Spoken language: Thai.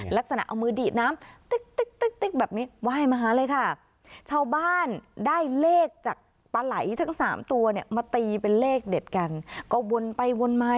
ลักษณะเอามือดีดน้ำติ๊กติ๊กแบบนี้ไหว้มาหาเลยค่ะชาวบ้านได้เลขจากปลาไหลทั้งสามตัวเนี่ยมาตีเป็นเลขเด็ดกันก็วนไปวนมา